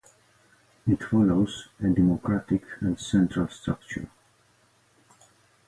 It follows a democratic and central structure.